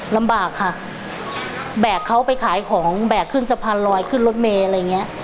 ลำบากค่ะแบกเขาไปขายของแบกขึ้นสะพานลอยขึ้นรถเมย์อะไรอย่างเงี้ย